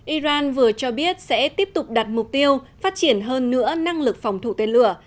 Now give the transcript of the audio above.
iran vừa cho biết sẽ tiếp tục đặt mục tiêu phát triển hơn nữa năng lực phòng thủ tên lửa